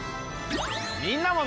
みんなも。